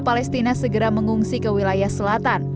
palestina segera mengungsi ke wilayah selatan